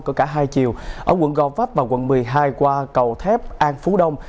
của cả hai chiều ở quận gò vấp và quận một mươi hai qua cầu thép an phú đông